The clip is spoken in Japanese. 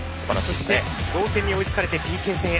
そして同点に追いつかれてＰＫ戦へ。